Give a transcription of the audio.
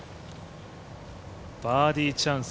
バーディーチャンス